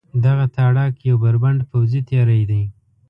دغه تاړاک یو بربنډ پوځي تېری دی.